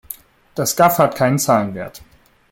Das Gaf hat keinen Zahlenwert.